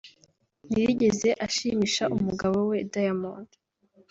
ntiyigeze ashimisha umugabo we Diamond